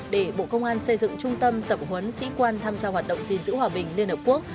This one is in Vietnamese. để bộ công an xây dựng trung tâm tập huấn sĩ quan tham gia hoạt động gìn giữ hòa bình liên hợp quốc